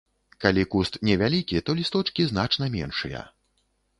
Калі куст невялікі, то лісточкі значна меншыя.